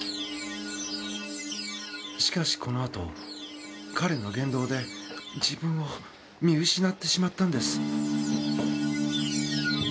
しかしこのあと彼の言動で自分を見失ってしまったんです。